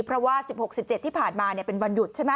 เพราะว่า๑๖๑๗ที่ผ่านมาเป็นวันหยุดใช่ไหม